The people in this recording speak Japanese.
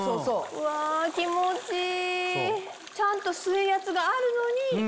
うわ気持ちいい！